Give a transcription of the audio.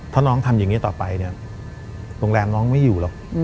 ถ้าน้องทำอย่างนี้ต่อไปเนี่ยโรงแรมน้องไม่อยู่หรอก